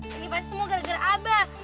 ini pasti semua gara gara abah